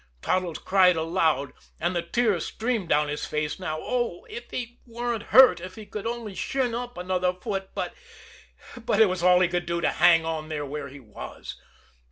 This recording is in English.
Toddles cried aloud, and the tears streamed down his face now. Oh, if he weren't hurt if he could only shin up another foot but but it was all he could do to hang there where he was.